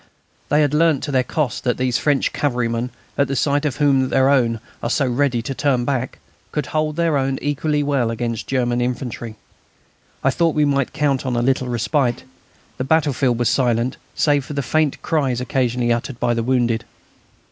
They had learnt to their cost that these French cavalrymen, at the sight of whom their own are so ready to turn back, could hold their own equally well against German infantry. I thought we might count on a little respite. The battlefield was silent, save for the faint cries occasionally uttered by the wounded.